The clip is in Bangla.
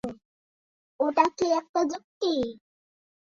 ওটা কি একটা যুক্তি!